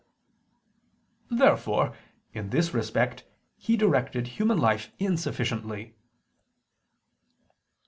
Therefore, in this respect, He directed human life insufficiently.